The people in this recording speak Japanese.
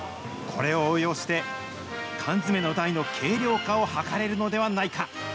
これを応用して、缶詰の台の軽量化を図れるのではないか。